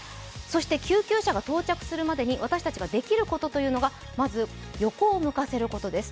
救急車が到着するまでに私たちができることというのが、まず横を向かせることです。